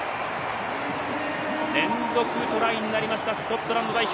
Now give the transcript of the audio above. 連続トライになりましたスコットランド代表。